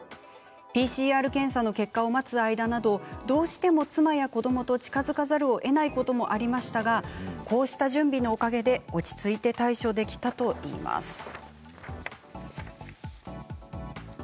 ＰＣＲ検査の結果を待つ間などどうしても妻や子どもと近づかざるをえないこともありましたがこうした準備のおかげで落ち着いて対処できたといいます。